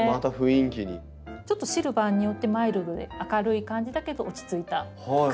ちょっとシルバーによってマイルドで明るい感じだけど落ち着いた感じに。